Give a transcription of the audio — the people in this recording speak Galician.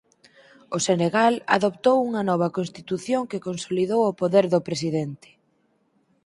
O Senegal adoptou unha nova constitución que consolidou o poder do Presidente.